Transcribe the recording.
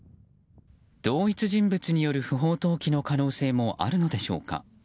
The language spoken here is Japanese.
同一人物による不法投棄の可能性もあるのでしょうか。